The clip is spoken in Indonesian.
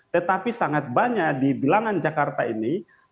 tetapi sangat banyak di bilangan jakarta ini